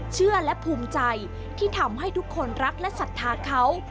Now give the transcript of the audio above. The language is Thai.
เชื่อและภูมิใจที่ทำให้ทุกคนรักและศรัทธาเขา